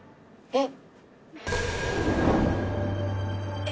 えっ。